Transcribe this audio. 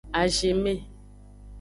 Azinme.